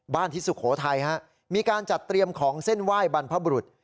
ที่สุโขทัยฮะมีการจัดเตรียมของเส้นไหว้บรรพบรุษ